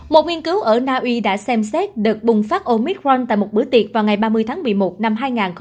một nghiên cứu ở na uy đã xem xét đợt bùng phát omicron tại một bữa tiệc vào ngày ba mươi tháng một mươi một năm hai nghìn một mươi năm